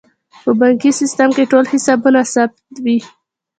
په بانکي سیستم کې ټول حسابونه ثبت وي.